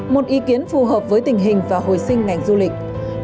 một ý kiến phù hợp với tình hình và hồi sinh ngành du lịch